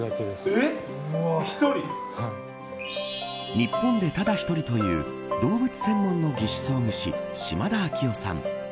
日本でただ一人という動物専門の義肢装具士島田旭緒さん。